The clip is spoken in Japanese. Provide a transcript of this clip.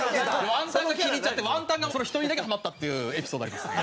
ワンタンが気に入っちゃってワンタンがその１人にだけハマったっていうエピソードありますね。